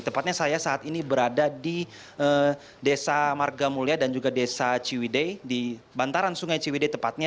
tepatnya saya saat ini berada di desa marga mulia dan juga desa ciwide di bantaran sungai ciwide tepatnya